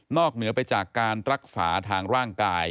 เหนือไปจากการรักษาทางร่างกาย